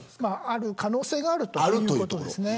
ある可能性があるということです。